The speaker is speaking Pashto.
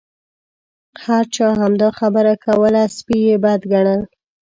هر چا همدا خبره کوله سپي یې بد ګڼل.